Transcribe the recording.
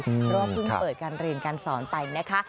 เพราะว่าเพิ่งเปิดการเรียนการสอนไปนะคะ